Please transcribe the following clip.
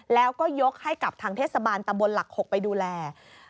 แล้วก็ยกให้กับทางเทศบาลตำบลหลัก๖ไปดูแล